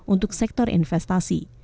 untuk sektor investasi